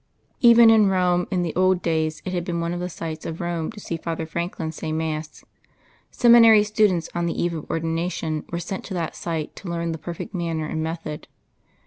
Even in Rome in the old days it had been one of the sights of Rome to see Father Franklin say mass; seminary students on the eve of ordination were sent to that sight to learn the perfect manner and method.